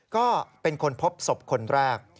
ก็เป็นคนพบศพคนแรก